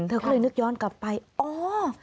เธอก็เลยนึกย้อนกลับไปอ๋อ